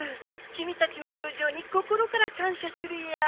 君たちの友情に心から感謝するよ。